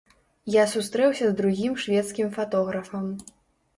Я сустрэўся з другім шведскім фатографам.